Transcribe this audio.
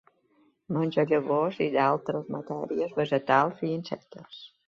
Menja llavors i d'altres matèries vegetals, i insectes.